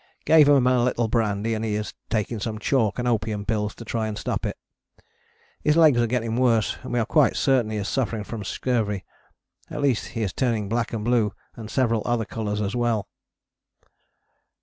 Gave him a little brandy and he is taking some chalk and opium pills to try and stop it. His legs are getting worse and we are quite certain he is suffering from scurvy, at least he is turning black and blue and several other colours as well.